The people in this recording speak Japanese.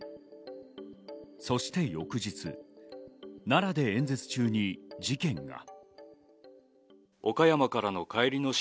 そして翌日、奈良で演説中に事件が。